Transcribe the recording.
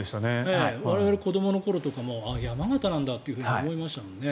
我々、子どもの頃とかも山形なんだって思いましたもんね。